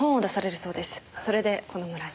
それでこの村に。